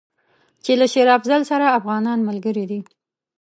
چې له شېر افضل سره افغانان ملګري دي.